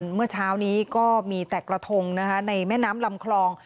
เมื่อเช้านี้ก็มีแต่กระทงในแม่น้ำลำคลอง